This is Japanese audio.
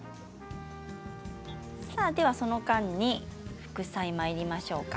その間に副菜にまいりましょうか。